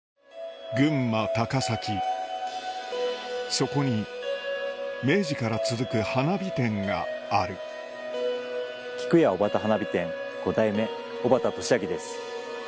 そこに明治から続く花火店がある菊屋小幡花火店五代目小幡知明です。